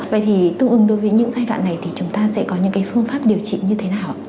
vậy thì tương ứng đối với những giai đoạn này thì chúng ta sẽ có những cái phương pháp điều trị như thế nào ạ